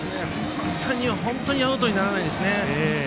本当にアウトにならないですね。